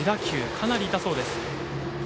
かなり痛そうです。